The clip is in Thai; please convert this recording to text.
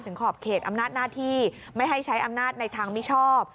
ขอบเขตอำนาจหน้าที่ไม่ให้ใช้อำนาจในทางมิชอบ